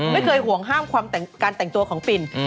ไม่เคยห่วงห้ามความการแต่งตัวของปิน